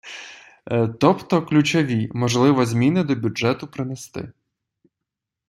Тобто ключові, можливо, зміни до бюджету принести.